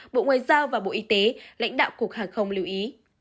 bộ ngoại giao và bộ y tế lãnh đạo cục hàng không lưu ý